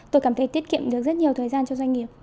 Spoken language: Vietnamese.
tôi cảm thấy tiết kiệm được rất nhiều thời gian cho doanh nghiệp